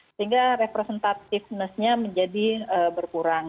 sehingga representativenessnya menjadi berkurang